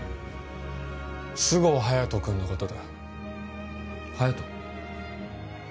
菅生隼人君のことだ隼人？